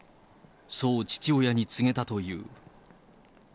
そう父親に告げたという。